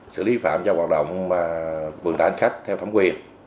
xử lý phạm cho hoạt động vận tải hành khách theo thẩm quyền